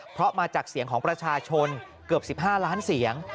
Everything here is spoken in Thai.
เพราะมาจากเสียงของประชาชนเกือบ๑๕ล้านเสียง